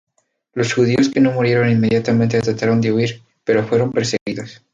Los judíos que no murieron inmediatamente trataron de huir, pero fueron perseguidos.